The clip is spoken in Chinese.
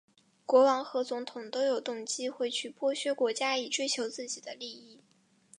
国王和总统都有动机会去剥削国家以追求自己的利益。